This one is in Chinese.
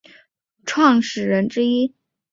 徐永泽是中国基督教重生派的创始人之一。